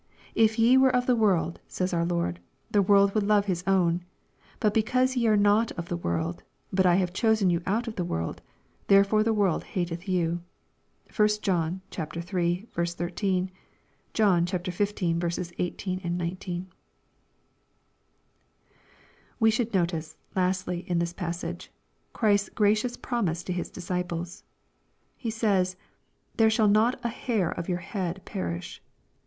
" If ye were of the world," says our Lord, " the world would love his own ; but because ye are not of the world, but I have chosen you out of the world, therefore the world hateth you." (1 John iii. 13 ; John xv. 18, 19.) We should notice, lastly, in this passage, Christ's gracious promiseto His disciples. He says " there shall/ not an hair of your head perish."